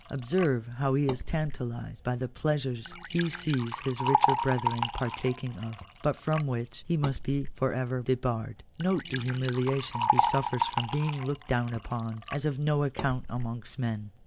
Observe how he is tantalized by the pleasures he sees his richer brethren partaking of, but from which he must be for ever debarred. Note the humiliation he suffers from being looked down upon as of no account amongst men.